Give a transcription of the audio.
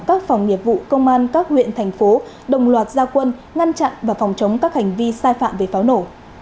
các phòng nghiệp vụ công an các huyện thành phố đồng loạt gia quân ngăn chặn và phòng chống các hành vi sai phạm về pháo nổ